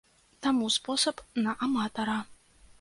Таму спосаб на аматара.